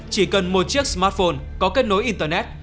chỉ cần một chiếc smartphone có kết nối internet